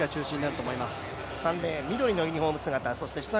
３レーン、緑のユニフォーム姿